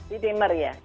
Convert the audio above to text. di dimer ya